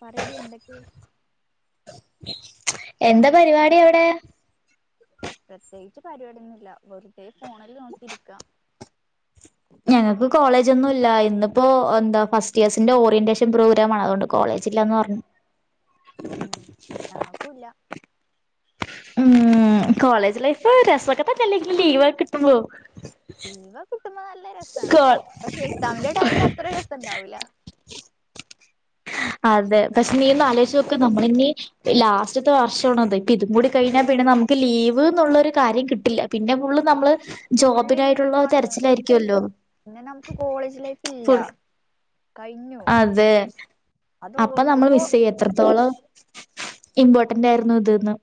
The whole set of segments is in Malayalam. പറയടി എന്തൊക്കെയ എന്താ പരിപാടി അവിടെ? പ്രത്യേകിച്ച് പരിപാടിയൊന്നും ഇല്ല വെറുതെ ഫോണില് നോക്കിരിക്കാം ഞങ്ങക്ക് കോളേജൊന്നും ഇല്ല ഇന്നിപ്പോ എന്താ ഫസ്റ്റ് ഇയേഴ്സിന്റെ ഓറിയന്റേഷൻ പ്രോഗ്രാം ആണ് അതുകൊണ്ട് കോളേ ജില്ലാന്നു പറഞ്ഞു. ഉം അന്നപ്പൂല്ല ഉ കോളേജ് ലൈഫ് രസക്കത്തൊക്കെല്ലെങ്കിലും ലീവ കിട്ടുമ്പോ ലീവ് ഒക്കെ കിട്ടുമ്പോ നല്ല രസമാണ് കോ പക്ഷെ എക്സാമിന്റെ ടൈമിൽ അത്ര രസംണ്ടാവൂല അതെ പക്ഷെ നീ ഒന്ന് ആലോചച്ച് നോക്കക്ക് നമ്മളിനി ലാസ്റ്റത്തെ വർഷമാണ അത് ഇപ്പ ഇതും കൂടി കഴിഞ്ഞാ പി നമുക്ക് ലീവ് എന്നുള്ളൊരു കാര്യം കിട്ടില്ല പിന്നെ ഫുൾ നമ്മള് ഫു ള്ള് ജോബിനായിട്ടുള്ള ലീവാണ് തെരച്ചിലായിരിക്കുവല്ലോ പിന്നെ നമുക്ക് കോളേജ് ലൈഫ് ഇല്ല ഫുൾ കഴിഞ്ഞു അതെ അത് അപ്പൊ നമ്മൾ ഓർക്കുമ്പോ മിസ് ചെയ്യ എത്രത്തോളം ഇമ്പോർട്ടന്റ് ആയിരുന്നു ഇതന്ന്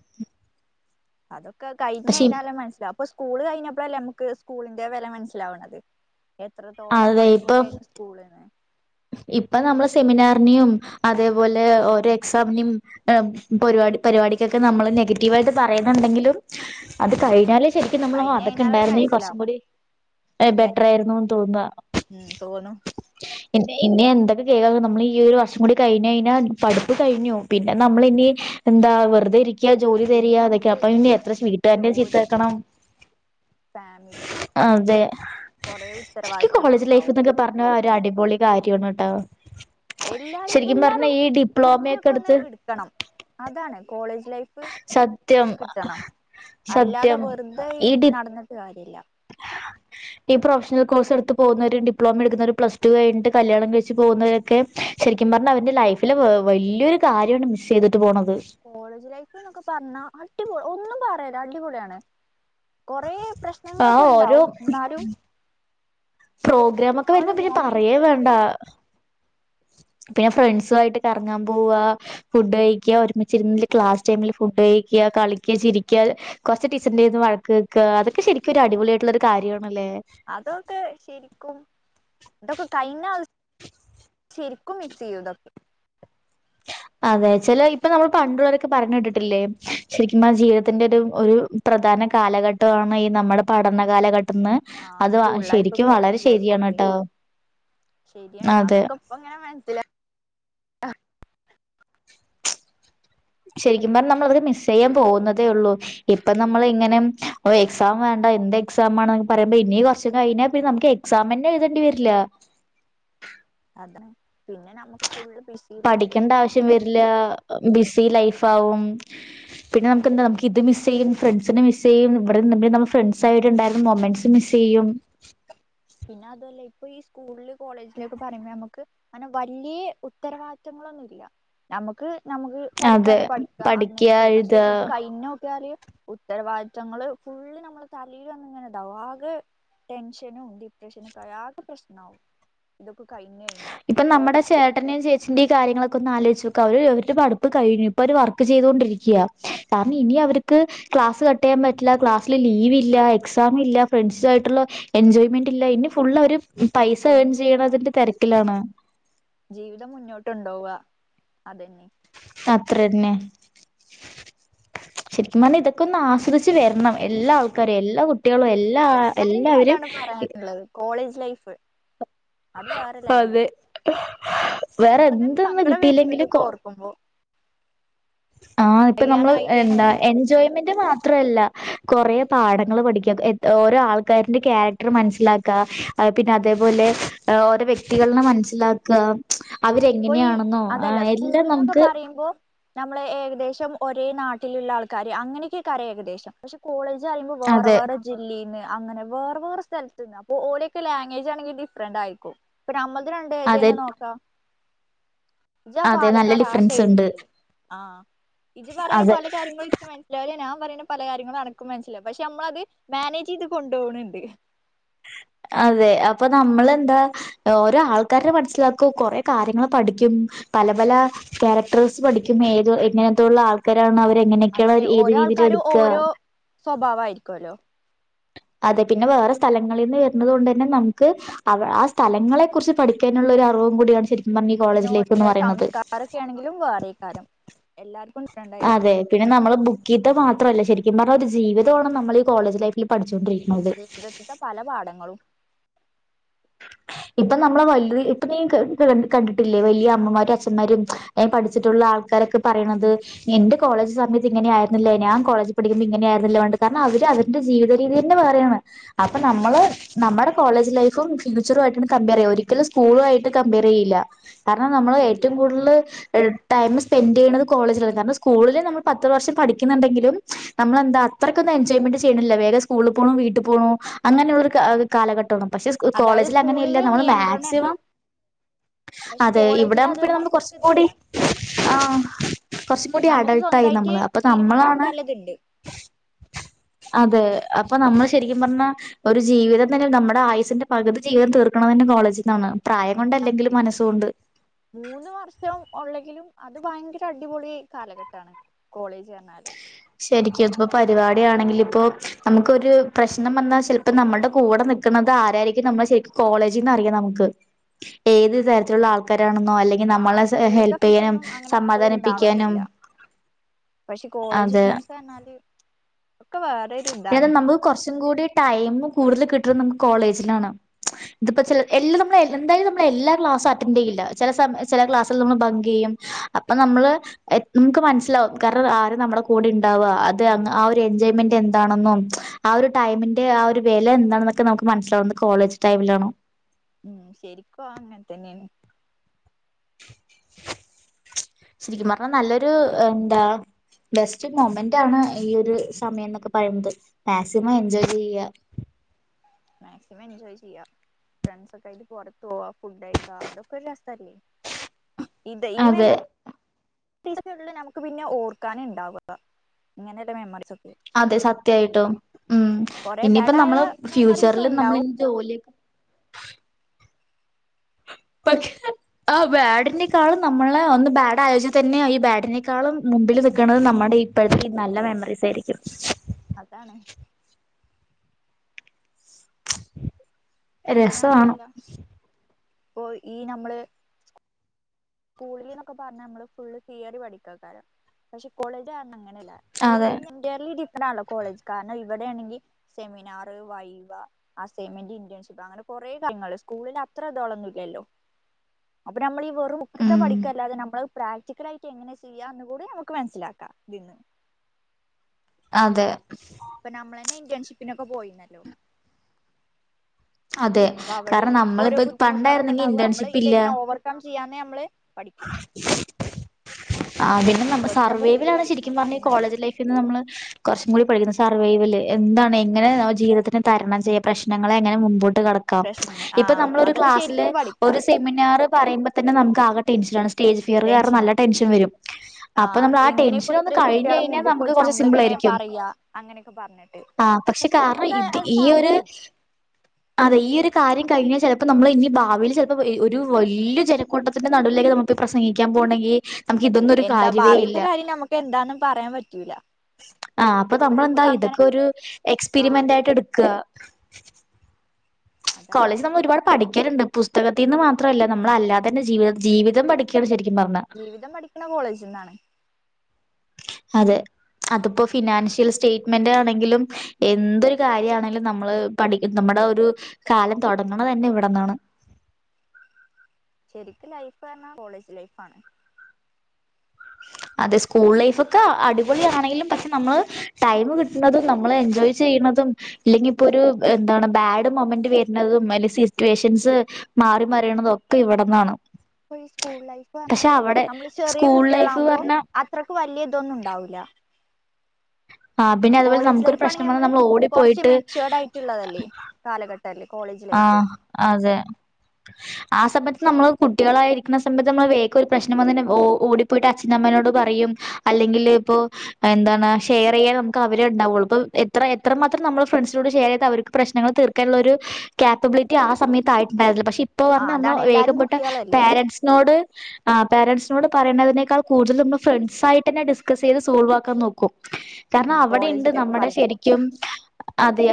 അതൊക്കെ കഴിഞ്ഞഞ് കഴിഞ്ഞാലേ മനസ്സിലാ അപ്പൊ സ്കൂള് കഴിഞ്ഞപ്പോളല്ലേ നമ്മക്ക് സ്കൂളിന്റെവിലമനസ്സിലാവണത് എത്രത്തോളംഅടിപൊളിയയിരുന്നു സ്കൂളിന്ന് ഇപ്പനമ്മള്സെമിനാറിനെയും അതേപോലെ ഓരോ എക്സാമിനുംഹ്മ്ഒര് പ പരിപാടിക്കൊക്കെനമ്മള് നെഗറ്റീവായിട്ട്പറയുന്നുണ്ടെകിലുംഅത് കഴിഞ്ഞാല് ശരിക്കും കഴിഞ്ഞ് നമ്മള്അതൊക്കെ കഴിഞ്ഞാലല്ലേ മനസ്സിലാവും ഉണ്ടായിരുന്നെകുറച്ചുംകൂടി ബെറ്ററാ യിരുന്നുന്ന്തോന്നുവാ ഓന്നം ഇനി ഇനി എന്തൊക്കെകേൾക്കും നമ്മള് ഈഒരുവർഷംകൂടി കഴിഞ്ഞ് കഴിഞ്ഞാൽപടുപ്പ്കഴിഞ്ഞുപിന്നെ നമ്മളിനി പിന്നെ എന്താവെറുതെഇരിക്കയാജോലിതെരയാതെഅതൊക്ക നമുക്ക് അപ്പൊ ഇനിഎത്രവീട്ടുകാരെ ജോലി ചീത്തകേക്കണം ഫാമിലി അതെ കൊറേ ഉത്തരവാദിത്തങ്ങളൊക്കെ ആവും ശരിക്ക്കോളേജ്ലൈഫ് എന്നൊക്കെപറഞ്ഞഒരുഅടിപ കാര്യണ്കേട്ടോ ഒക്കെ എല്ലാരുംഎല്ലാരുംഡിഗ്രിഒക്കെഒന്ന് എടുത്ത് എടുക്കണംഅതാണ്കോളേജ് ലൈഫ് സത്യം അഹ് കിട്ടണം അല്ലാതെ സത്യം വെറുതെ ഈ ഇടി നടന്നിട്ട് കാര്യല്ല [unintelligible] ഈ പ്രൊഫഷണൽ കോഴ്സ് എടുത്ത് പോകുന്നവര് ഡിപ്ലോമ എടുക്കുന്നവര്പ്ലസ്ടുകഴിഞ്ഞട്ട് കല്യാണം കഴിച്ച് പോകുന്നവരക്കെ ശരി രിക്കുംപറഞ്ഞഅവന്റെലൈഫില് വല്ല്യരുകാര്യമാണ് മിസ്സ്ചെയ്ത് കോളേജ്ലൈഫ്എന്നൊക്കെ പറഞ്ഞാഅടിപൊളിഒന്നുംപറയല്ല അടിപൊളിയാണ് കൊറെ ആ പ്രശ്നങ്ങളൊക്കെഇണ്ടാവും എന്നാലും ആ ഒരു പ്രോഗ്രാമ്ഒക്കെവരുമ്പോപിന്നെ മൊമെന്റ്സ് പറയെവേണ്ട [unintelligible] പിന്നെ ഫ്രണ്ട്സു ആയിട്ട് കറങ്ങാൻ പോവാഫുഡ്കഴിക്കുക ഒരുമിച്ചിരുന്നല്ക്ലാസ്ടൈമില്ഫുഡ് കഴിക്കുക കളിക്കുക ചരിക്കുകകൊറച്ച് ടീച്ചറിന്റെകൈയിന്ന് വഴക്ക് കേക്കുഅതോക്കെശരിക്കുംഒരു അടിപൊളിയിട്ടുള്ളഒരുകാര്യമാണ് അതൊക്കെ ശരിക്കും ഇതൊക്കെ കഴിഞ്ഞ ശരിക്കുംമിസ്സ്ചെയ്യുംഇതൊക്കെ അതെ ചില ഇപ്പൊ നമ്മൾ പണ്ടുള്ളവരൊക്കെ പറഞ്ഞു കേട്ടി ട്ടില്ലേശരിക്കുംആ ജീവിതത്തിന്റെഒരു ഒരു പ്രധാ അയിന്കാലഘട്ടമാണ് ഈ നമ്മുടെ പഠന കാലഘ ട്ടന്ന് ആ സ്കൂൾ ലൈഫ് അത്ശരിക്കുംവളരെ കോളേജ് ലൈഫ് ശരിയാണ് ഒക്കെ ട്ടോ ശരിയാണ് അതെ അതൊക്കെ ഇപ്പ ഇങ്ങനെമനസിലായി ഹ് ശരിക്കും പറഞ്ഞനമ്മള്അവരെ മിസ്സ്ചെയ്യാൻപോകുന്നതേള്ളൂ ഇപ്പംനമ്മള് ഇങ്ങനെഎക്സാം വേണ്ട എന്ത് എക്സാം ആണ് പറയ്പ്പോഇനികൊറച്ച്കഴിഞ്ഞാൽ പിന്ന സാമന്നെ എഴുതേണ്ടി വരില്ല അതാ പഠിക്കേണ്ടആവിശ്യംവരില്ലബിസി ലൈഫ് ആാവും പിന്നെനമുക്ക്ന്താനമക്ക് ഇത് മിസ്സ്‌ ചെയ്യുംഫ്രണ്ട്സിനെമിസ്സ്ചെയ്യും ഇവിടെഫ്രണ്ട്സയിട്ട് ഇണ്ടായിരുന്ന മൊമന്റ്സ് മിസ്സ് ചെയ്യും പിന്നെ അതുല്ല ഇ ഇപ്പൊ ഈ സ്കൂളില് കോളേജില് എന്നൊക്കെ പറയുമ്പോ ഞമ്മക്ക് അങ്ങനെ വലിയ ഉത്തരവാദിത്യങ്ങളൊന്നും ഇല്ല്യ ഞമക്ക് ഞമക്ക് അതെ പഠിക്കാലേ പഠിക്ക അങ്ങനെയൊക്കെയള്ളു പക്ഷെ എഴുതാ ഇത് കഴിഞ്ഞോക്കിയാല് ഉത്തരവാദിത്തങ്ങള്ഫുള്ള് ഞമ്മള് തലേൽവന്ന് ഇങ്ങനൊഇണ്ടാവും ആകെടെൻഷനും ഇണ്ട് ടെൻഷനോക്കെആയാആകെ പ്രശ്നആവുംഇതൊക്കെ ഇപ്പം നമ്മുടെ ചേട്ടന്റെയും ചേച്ചിന്റെയും കാര്യങ്ങളൊ ക്കൊന്നാലോചിച്ച് നോക്ക് അവര് അവരുടെ പഠിപ്പ് കഴിഞ്ഞ്ഇപ്പൊ അവര് വർക്ക്ചെയ്തോണ്ട് രിക്കയാകാരണംഇനി അവർക്ക് ക്ലാസ്സ് കട്ട്ചെയ്യാൻ പറ്റില്ല ക്ലാസ്സില് ലീവ് ഇല്ല എക്സാംഇല്ല ഫ്രണ്ട്സ് ആയിട്ടുള്ള എൻജോയ്മെന്റ് ഇല്ല ഇനി ഫുള്ള് അവര് പൈസ ഏൺ ഒന്നുമില്ല ചെയ്യണതിന്റെ തെര ജീവിതം മുന്നോട്ട്ണ്ടോവാ അതെന്നെ അത്രന്നെ ശരിക്കും പറഞ്ഞാ ഇതൊക്കെ ഒന്ന് ആസ്വദിച്ച് വരണം എല്ലാ ആൾക്കാരും എല്ലാ കുട്ടി കുട്ടികളും എല്ലാ എല്ലാരോടും എല്ലാവരും അതാണ് ഇ പറയാനുള്ളത് കോളേജ് ലൈഫ് അത് വേറെ ലെവലാ അതെ വേറെ ഇപ്പ തന്നെ എന്തൊന്ന് സങ്കടം വരണണ്ട് കിട്ടിയില്ലെങ്കിലും ഇതോർക്കുമ്പോ ആ ഇപ്പൊ നമ്മള് കഴിയാനായില്ലേന്ന് എന്താ ഓർക്കുമ്പോ എൻജോയ്മെന്റ് മാത്രല്ല കുറെേ പാഠങ്ങൾ പഠിക്കുക ഓരോ ആൾക്കാന്റെ ക്യാരക്ടർ മനസ്സിലാക്കുക പിന്നെ അതേപോലെ ഓരോ വ്യക്തികളെ മനസ്സിലാക ഇപ്പൊ ഈ അവര്ങ്ങനെയാണെന്നോ ആ അതല്ല എല്ലാം സ്കൂള്ന്നൊക്കെ നമുക്ക് പറയുമ്പോ നമ്മള് ഏകദേശം ഒരേ നാട്ടിലുള്ള ആൾക്കാര് അങ്ങനൊക്കൊക്കെ അറിയും ഏകദേശം പക്ഷെ കേളോജ് ഇതാകുമ്പോ വേറെ അതെ വേറെ ജില്ലേന്ന് അങ്ങനെ വേറെ വേറെ സ്ഥലത്ത് നിന്ന് അപ്പോ ഓരയൊക്കെ ലാംഗ്വേജ് ആണങ്കിൽ ഡിഫറന്റ് ആയിരിക്കും ഇപ്പം നമ്മ രണ്ട് ഇത്‌ അതെ തന്നെ നോക്കാം ഇജാ അതെ നല്ല പാലക്കാട് ആ ഡിഫറൻസ് സൈഡിൽ ഉണ്ട് നിന്ന് ആ ഇജി പറയുന്ന അതെ പല കാര്യങ്ങളും ഇച്ച് മനസ്സിലാവല്ലേ നാ പറയുന്ന പല കാര്യങ്ങളും അനക്കും മനസ്സിലായി പക്ഷെ നമ്മളത് മാനേജ് ചെയ്ത് കൊണ്ടു പോണുണ്ട് [unintelligible] അതെ അപ്പൊ നമ്മൾ എന്താ ഓരോ ആൾക്കാരെ മനസ്സിലാക്കും കൊറെ കാര്യങ്ങൾ പഠിക്കും പല പല ക്യാരക്ടേഴസ് പഠിക്കും ഏത് എങ്ങനത്തുള്ള ആൾക്കാരാണ അവർ എങ്ങനെയൊക്കെയുള്ള അതന്നെ ഏത് ഓരോ രീതിയിൽ ആൾക്കാരും എടുക്കുക ഓരോ സ്വഭാവായിരിക്കുവല്ലോ അതെ പിന്നെ വേറെ സ് സ്ഥലങ്ങളിൽ നിന്ന് വരുന്നത് കൊണ്ട് തന്നെ നമുക്ക് ആ സ്ഥലങ്ങളെ കുറിച്ച് പഠിക്കാനുള്ള ഒരു അറിവും കൂടിയാണ് ശരിക്ക പിന്നെ ഓടെ സംസ്കാരൊക്കെ ആണെങ്കിലും വേറെയ്ക്കാരം എല്ലാർക്കും അതെ ഉണ്ടായിരിക്കൂല്ലേ പിന്നെ നമ്മള് ബുക്കീത്ത് മാത്രമല്ല ശരിക്കും ഈ പറഞ്ഞ ഒരു ജീവിതമാണ്ണ് നമ്മൾ കോളജ് ലൈഫിൽ പഠിച്ചു കൊണ്ടിരിക്കുന്നത് ജീവിതത്തിന്റെ പല പാഠങ്ങളും ഇപ്പൊ നമ്മളെ വല്യ ഇപ്പൊ നീ കണ്ടിട്ടില്ലേ വലിയ അമ്മമാരും അച്ഛന്മാരും പഠിച്ചിട്ടുള്ള ആൾ ആൾക്കാരൊക്കെ പറയണത് എന്റെ കോളേജ് സമയത്ത് ഇങ്ങനെയായിരുന്നില്ല ഞാ കോളേജ് പഠിക്കുമ്പോ ഇങ്ങനെയായിരുന്നില്ല കാരണം അവര് അവ ജീവിതരീതിയെന്ന് അപ്പോ നമ്മള് നമ്മുടെ കോളജ് ലൈഫ് ഇപ്പം ഫ്യൂച്ചറുമായിട്ടാണ് കമ്പയർ ചെയ്യുക ഒരിക്കലും സ്കൂളുമായിട്ട് കമ്പയർ ചെയ്യില്ല കാരണം നമ്മൾ ശരില്ല ഏറ്റവും കൂടുതൽ ടൈം സ്പെൻഡ് ചെയ്യുന്നത് കോളേജുകളാണ് കാരണം സ്കൂളിൽ നമ്മൾ പത്ത് വർഷം പഠിക്കുന്നുണ്ടെങ്കിലും നമ്മളെന്താ അത്രക്ക എൻജോയ്മെന്റ് ചെയ്യണില്ല വേഗം സ്കൂളിൽ പോകണം വീട്ടിൽ പോകണം അങ്ങനെയുള്ളൊ കാലഘട്ടമാണ് പക്ഷെ അതായത് കോളേജിൽ അങ്ങനെയല്ല സ്കൂളില് നമ്മള് നിയന്ത്രണം ഉണ്ട് മാക്സിമം പക്ഷെ അതെ കോളേജിൽ ഇവിടാകുമ്പം അത് പിന്നെ നമ്മക്ക് അത്രക്ക് കുറച്ചും കൂടി ഇതില്ല ആ കുറച്ചും കൂടി നമുക്ക് അഡൾട്ടായി സ്വന്തമായിട്ട് നമ്മള് അപ്പൊ തീരുമാനം നമ്മളാണ് എടുക്കാനുള്ളതുണ്ട് അതെ അപ്പൊ നമ്മള് ശരിക്കും പറഞ്ഞ ഒരു ജീവിതം തന്നെ നമ്മുടെ ആയുസിന്റെ പകുതി ജീവൻ തീർക്കണതിന്റെ കോളേജിൽ നിന്നാണ് അ മൂന്ന് വർഷം ഉള്ളെങ്കിലും അത് ഭയങ്കര അടിപൊളി കാലഘട്ടാണ് കോളേജ് പറഞ്ഞാല് ശരിക്കും ഇപ്പോ പരിപാടിയാണെങ്കിൽ ഇപ്പോ നമുക്കൊരു പ്രശ്നം വന്നാൽ ചിലപ്പോ നമ്മുടെ കൂടെ നിക്കണത് ആരായിരിക്കും നമ്മളെ ശരിക്കും കോളേജിൽ നിന്ന് അറിയാം നമുക്ക് ഏത് തരം ത്തിലുള്ള ആൾക്കാരാണെന്നോ അല്ലെങ്കിൽ ആ നമ്മളെ സ്കൂളത്തെ ഹെൽപ് ഫ്രണ്ട്സ് ചെയ്യാനും ഒന്നും അങ്ങനെ എപ്പോഴും സമാധാനിപ്പിക്കാനും ഉണ്ടാവണമെന്നില്ല പക്ഷെ കോളേജ് അതെ ഫ്രണ്ട്സ് പറഞ്ഞാല് ഒക്കെ വേറൊരു പിന്നെ ഇതാണ് നമുക്ക് കുറച്ചും കൂടി ടൈം കൂടുതൽ കിട്ടണത് നമുക്ക് കോളേജിലാണ് ഇതിപ്പോ എ നമ്മ എന്താലും നമ്മള് എല്ലാ ക്ലാസ്റ്റും അറ്റൻഡറ് ചെയ്യില്ല ചില സ ചില ക്ലാസ്സൽ നമ്മൾ ഭങ്ക് ചെയ്യും അപ്പ നമ്മള് നമുക്ക് മനസിലാവും കാരണം ആരാ നമ്മുടെ കൂടെ ഉണ്ടാവുക അത് ആ ഒരു എൻജോയ്മെന്റ് എന്താണന്നും ആ ഒരു ടൈമിന്റെ ആ ഒരു വില എന്താന്നൊക്കെ നമുക്ക് മനസ്സിലാവുന്നത് കോളേജ് ടൈമിലാണോ ഉം ശരിക്കും അങ്ങനെ തന്നെണ് ശരിക്കും പറഞ്ഞാൽ നല്ലൊരു എന്താ ബെസ്റ്റ് മൊമെന്റ് ആണ് ഈ ഒരു സമയം എന്നൊക്കെ പറയുന്നത് മാക്സിമം എൻജോയ് ചെയ്യുക [unintelligible] മാക്സിമം എൻജോയ് ചെയ്യാ ഫ്രണ്ട്സ് ഒക്കെയായി പുറത്തു പോകുക ഫുഡ് കഴിക്കുക ഇതൊക്കെ ഒരു രസല്ലേ ഇത് ഈ അതെ [unintelligible] ഇതൊക്കെ നമുക്ക് പിന്നെ ഓർക്കാനേ ഉണ്ടാവുക ഇങ്ങനെയുള്ള മെമ്മറീസ് ഒക്കെ അതെ സത്യായിട്ടും. ഉം കൊറെ ഇനിയിപ്പ ബാഡായ നമ്മള് മെമ്മറീസും ഫ്യൂച്ചറല് നമ്മളി ഉണ്ടാവും ജോലി - - പക്ഷെ ആ ബാഡിനേക്കാളും നമ്മളെ ഒന്ന് ബാഡ് ആയോജ തന്നെയ ഈ ബാഡിനേക്കാളും മുമ്പില് നിൽക്കണത് നമ്മളെ ഇപ്പോഴത്തെക്കും നല്ല മെമ്മറീസ് ആയിരിക്കും. അതാണ് പിന്നെ രസവാണ്. അതുമല്ല ഇപ്പൊ ഈ നമ്മള്. സ്കൂളില് നൊക്കെ പറഞ്ഞ നമ്മള് ഫുള് തിയറി പഠിക്കാക്കാരം പക്ഷെ കോളേജ് അർഞ്ഞാങ്ങനെ സ്കൂളിൽ അതെ [unintelligible] ഡി. കോളജ് കാരണം ഇവിടെണെങ്കിൽ സെമിനാർ വൈവ അസൈമെന്റ് ഇന്റേഷിപ്പ് അങ്ങനെ കൊറേ കാര്യങ്ങള് സ്കൂളിന് അത്ര ഇതൊളോന്നും ഇല്ലല്ലോ അപ്പ നമ്മള് ഉം പഠിക്ക അല്ലാതെ നമ്മള് പ്രാക്ടിക്കൽ ആയിട്ട് എങ്ങനെ ചെയ്യാംന്ന് കൂടി നമുക്ക് മനസ്സിലാക്കാം ഇതിന്ന്. അതെ. ഇപ്പൊ നമ്മളെന്നെ ഇന്റേൺഷിപ്പിനൊക്കെ പോയിന്നല്ലോ? അതെ അപ്പൊ അവിടെ കാരണം ഓരോ നമ്മളിപ്പ ബുദ്ധിമുട്ടോളൊക്കെ പണ്ടായിരുന്നെങ്കി ഉണ്ടാവു ഇന്റേൺഷിപ്പ് ഇല്ല നമ്മളിതങ്ങനെ ഓവർ ക്കം ചെയ്യാന്ന്നമ്മള് പഠിക്കും. ആ പിന്നെ നമ്മ വെറുതെ ബുക്കില് സർവേവിലാണ് ശരിക്കും പറഞ്ഞാ ഈ പഠിക്കണേക്കാളും നല്ലത് കോളേജ് ലൈഫിൽ നിന്ന് നമ്മള് കുറച്ചും കൂടി പരി സർവൈവല് എന്താണ് എങ്ങനെ ജീവിതത്തിന് തരണം ചെയ്യ പ്രശ്നങ്ങളെ എങ്ങനെ മുമപോട്ട് കടക്കാം പ്രശ്നങ്ങൾ ഇപ്പൊ ആഹ് നമ്മള് ഒരു അതൊക്കെ ക്ലാസില് ശരിക്കും പഠിക്കാ സെമിനാറ് പറയ്ബ തന്നെ നമക്ക് ആകെ ടെൻ ടെൻഷനാണ് സ്റ്റേജ് ഫിയർ കാരണം ടെൻഷന് നല്ല ടെഷൻ വരും. അപ്പൊ ആഹ് നമ്മൾ ആ എങ്ങനെ ഇപ്പോ ടെൻഷൻ ഒന്ന് ഇത്രയും കഴിഞ് കുട്ടികളെ കഴിഞ്ഞാ മുമ്പ് നമുക്ക് പോയിട്ട് കൊറച് സിംപിൾ നമ്മളിങ്ങനെ ആയിരിക്കും. പറയാ അങ്ങനെയൊക്കെ പറഞ്ഞിട്ട് ആ പക്ഷെ കാറ നമുക്ക് ഇത് അത് ഈ ഒരു സാധിക്കും അതെ ഈ ഒരു കാര്യം കഴിഞ്ഞാൽ ചിലപ്പോൾ നമ്മൾ ഇനി ഭാവിയിൽ ചിലപ്പോൾ ഒരു വല്യ ജനക്കൂട്ടത്തിൻ്റെ നടുലേക്ക് നമൾപ്പോ പ്രസംഗിക്കാം പോൺണ്ടങ്കി. എന്താ ഭാവിത്തെ കാര്യം നമുക്ക് എന്താന്നും പറയാൻ പറ്റൂല. ആ അപ്പൊ നമ്മൾന്താ നമുക്ക് അങ്ങനെ ഇതൊക്കെ ഒരു ആഹ് എക്സ്പെരിമെന്റ് ആയിട്ട് എടുക്കുക. അതാണ് കോളേജ് നമ്മൾ ഒരുപാട് പഠിക്കലുണ്ട് പുസ്തകത്തീന്ന് മാത്രമല്ല നമ്മള അല്ലാതെ തന്നെ ജീവിത ജീവിതം പഠിക്കയാണ് ശരിക് ജീവിതം പഠിക്ണ കോളേജിന്നാണ്. അതെ. അതിപ്പോ ഫിനാൻഷ്യൽ സ്റ്റേറ്റ്മെന്റ് ആണെങ്കിലും എന്തരു കാര്യ ആണെങ്കിലും നമ്മള് പഠി നമ്മൾ മ്മളെ ഒരു കാലം തൊടങ്ങ്ണ തന്നെ ഇവിടന്നാണ്. ശരിക്ക് ലൈഫ് പറഞ്ഞാ കോളേജ് ലൈഫ് ആണ്. അതെ സ്കൂൾ ലൈഫ് ഒക്കെ അടിപൊളിയാണെങ്കിലും പക്ഷെ നമ്മള് ടൈം കിട്ടുന്നതും നമ്മൾ എൻജോയ് ചെയന്നതും ഇല്ലെങ്കി ഇപ്പൊര് എന്താണ് ബാട് മൊമെന്റ് വരുന്നതും അല്ല സിറ്റ്വേഷൻസ് മാറി മറിയണതൊക്കെ ഇവിടന്നാണ്. ഇപ്പൊ ഈ സ്കൂൾ ലൈഫ് പക്ഷെ പറഞ്ഞാല് അവടെ നമ്മള് ചെറിയ സ്കൂൾ കുട്ട്യാള ലൈഫ് ആമ്പോ പറഞ്ഞാ അത്രയ്ക്ക് വല്യ ഇതൊന്നും ഉണ്ടാവൂല്ല ആഹ് പിന്നെ അതുപോലെ കോളേജ് നമുക്കൊരു ലൈഫ് പ്രശ്നം ആണെങ്കിൽ വന്നാ നമ്മള് നമ്മൾ കുറച്ച് ഓടിപ്പോയിട്ട് മെച്യുവർഡ് ആയിട്ടുള്ളതല്ലേ കാലഘട്ടം. ആഹ അതെ ആ സമയത്ത്. നമ്മള് കുട്ട്യാളായിരിക്ണ സമയത്ത് നമ്മള് വേകം ഒരു പ്രശ്നം വന്നാ ഓടി പോയിട്ട്ച്ഛമ്മനോട് പറയും അല് അല്ലെ ങ്കില് ഇപ്പോ എന്താണ് ഷെയർ ചെയ്യാ നമുക്ക് അവരേ ഉണ്ടാവുള്ളൂ ഇപ്പോ എത്ര ന മാത്രം ഫ്രൻസിനോട് ത് അവർക്ക് പ്രശ്നങ്ങൾ തീർക്കാനുള്ളരു ക്യാപ്പബിലിറ്റി ആ സമയത്തായിട്ടുണ്ടായിരുന്നില്ല പക്ഷെ ആ ഇപ്പോപറഞ്ഞ നമ്മൾ അതാണ് എല്ലാരും വേഗംപോയിട്ട കുട്ടികളല്ലേ പേരൻറ്സിനോട് ആ പാരൻറ്സിനോട് പറയുന്നതിനേക്കാൾ കൂടുതൽ നമ്മള് ഫ്രണ്ട്സ് ആയിട്ട തന്നെ ഡിസ്കസ് ചെയ്ത് സോൾവ് ആക്കാൻ നോക്കും. കാരണം ഉം അവിടെണ്ട് കോളേജിലൊക്കെ നമ്മുടെ പറയുമ്പോ ശരിക്കും. അതെ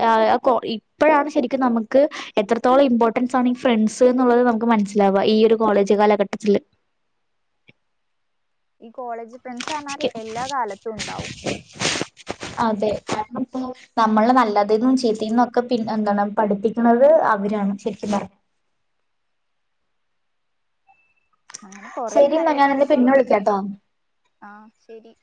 ഇപ്പഴാണ് ശരിക്കും നമമ. ക്ക് എത്രത്തോളം ഇമ്പോർട്ടൻസ് ആണ് ഈ ഫ്രണ്ട്സ് എന്നുള്ളത് നമുക്ക് മനസ്സിലാവാ ഈ ഒരു കോളേജ് കാലഘട്ടത്തില്. ഈ കോളേജ് ഫ്രണ്ട്സ് അർഞ്ഞാല് എല്ലാ കാലത്തും ഉണ്ടാവും. അതെ കാരണം ഇപ്പോ നമ്മളിലെ നല്ലതിൽന്നും ചീത്തീന്നും ഒക്കെ പിൻ എന്താണ് പഠിപ്പിക്ക്‌ണത് അവരാണ് ശരിക്കും പറഞാ അങ്ങനെ കൊറേ ശരി എന്നാ നല്ല ഞാൻ നിന്നെ പിന്നെ കാര്യങ്ങളുംതൊക്കെണ്ട്. വിളിക്കാട്ടോ ആഹ് ശരി